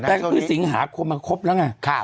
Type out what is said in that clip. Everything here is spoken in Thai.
แปลงพฤติศิงมีอาคมมาครบแล้วไง